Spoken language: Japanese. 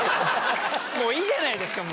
もういいじゃないですか。